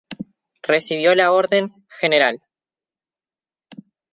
Recibió la Orden "Gral.